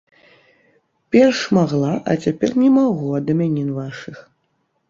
Перш магла, а цяпер не магу, ад імянін вашых.